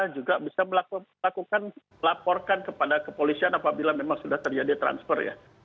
juga bisa melakukan laporkan kepada kepolisian apabila memang sudah terjadi transfer ya